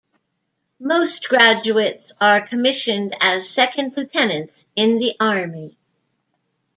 Most graduates are commissioned as second lieutenants in the Army.